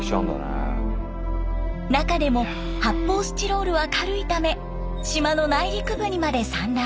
中でも発泡スチロールは軽いため島の内陸部にまで散乱。